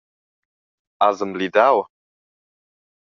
Has emblidau?